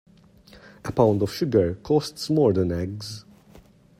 A pound of sugar costs more than eggs.